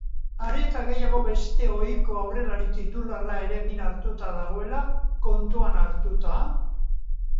Are eta gehiago beste ohiko aurrelari titularra ere min hartuta dagoela kontuan hartuta.